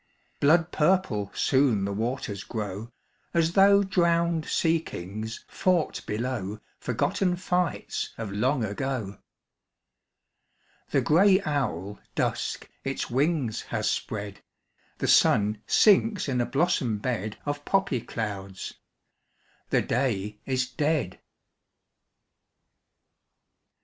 Blood purple soon the waters grow, As though drowned sea kings fought below Forgotten fights of long ago. The gray owl Dusk its wings has spread ; The sun sinks in a blossom bed Of poppy clouds ; the day is dead.